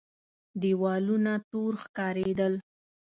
دېوالونه تور ښکارېدل.